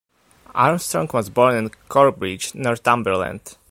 Armstrong was born in Corbridge, Northumberland.